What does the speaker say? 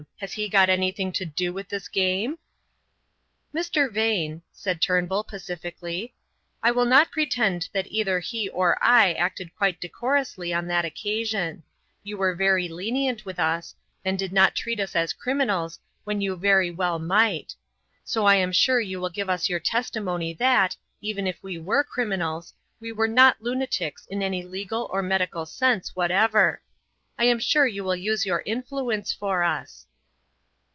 Has he got anything to do with this game?" "Mr. Vane," said Turnbull, pacifically, "I will not pretend that either he or I acted quite decorously on that occasion. You were very lenient with us, and did not treat us as criminals when you very well might. So I am sure you will give us your testimony that, even if we were criminals, we are not lunatics in any legal or medical sense whatever. I am sure you will use your influence for us."